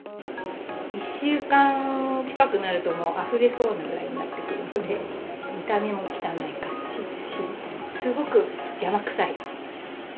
１週間近くになると、もうあふれそうなぐらいになってくるので、見た目も汚い感じで、すごく邪魔くさい。